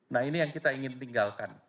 nah ini yang kita ingin tinggalkan